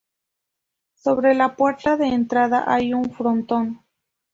Sobre la puerta de entrada hay un frontón.